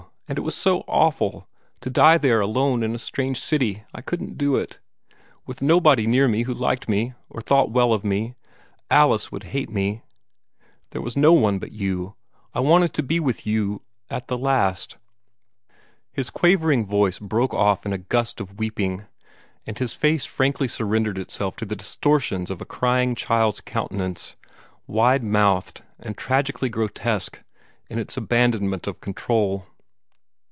And it was so awful, to die there alone in the strange city I couldn't do it with nobody near me who liked me, or thought well of me. Alice would hate me. There was no one but you. I wanted to be with you at the last." His quavering voice broke off in a gust of weeping, and his face frankly surrendered itself to the distortions of a crying child's countenance, wide mouthed and tragically grotesque in its abandonment of control.